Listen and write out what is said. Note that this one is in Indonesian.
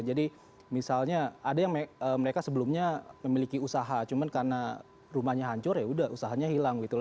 jadi misalnya ada yang mereka sebelumnya memiliki usaha cuman karena rumahnya hancur ya udah usahanya hilang gitu